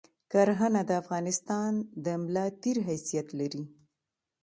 کرهنه د افغانستان د ملاتیر حیثیت لری